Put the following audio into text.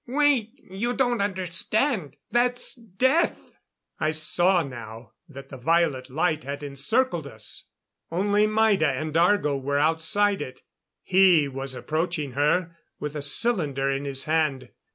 "Wait! You don't understand that's death!" I saw now that the violet light had encircled us. Only Maida and Argo were outside it. He was approaching her, with a cylinder in his hand.